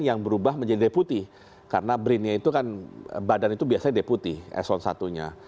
yang berubah menjadi deputi karena brin nya itu kan badan itu biasanya deputi s satu nya